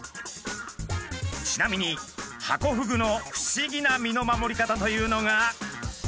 ちなみにハコフグの不思議な身の守り方というのが。